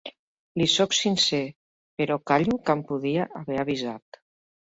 Li sóc sincer, però callo que em podia haver avisat.